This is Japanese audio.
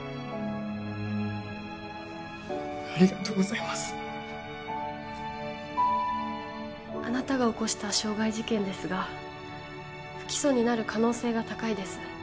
ありがとうございますあなたが起こした傷害事件ですが不起訴になる可能性が高いです